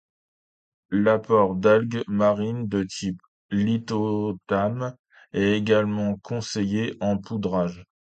L'apport d'algues marines de type lithothamne est également conseillé, en poudrage.